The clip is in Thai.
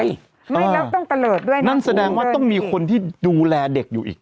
ไม่ไม่แล้วต้องตะเลิศด้วยนะนั่นแสดงว่าต้องมีคนที่ดูแลเด็กอยู่อีก